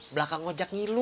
belakang ngajak ngilu